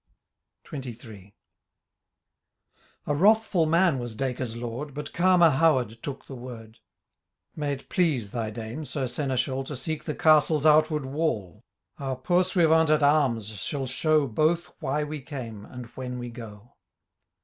*'— XXIII. A wrathful man was Dacre's lord. But calmer Howard took the word :^ Mayt please thy Dame, Sir Seneschal, To seek the castle's outward wall. Our pursuivant at arms shall show Both why we came, and when we go."